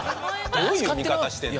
どういう見方してんだよ。